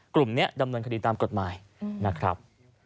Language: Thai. กลุ่มนี้ดำเนินคดีตามกฎหมายนะครับ